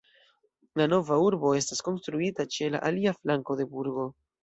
La nova urbo estis konstruita ĉe la alia flanko de burgo.